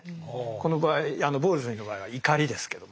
この場合ボウルズ夫人の場合は怒りですけども。